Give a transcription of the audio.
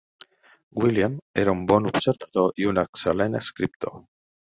William era un bon observador i un excel·lent escriptor.